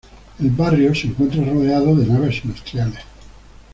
El barrio se encuentra rodeado de naves industriales.